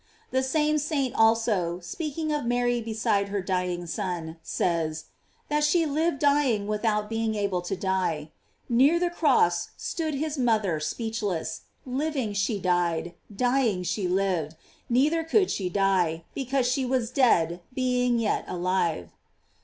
]; The same saint also, speaking of Mary beside her dying Son, says, that she lived dying without being able to die: Near the cross stood his mother, speechless; living she died, dying she lived; neither could she die, because she was dead, being yet alive.